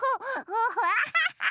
アハハハ！